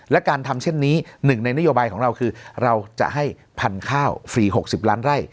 และการทำเช่นนี้หนึ่งในนโยบายของเราคือเราจะให้พันธุ์ข้าว๔๖๐ล้านไร่